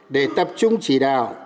để tập trung chỉ đạo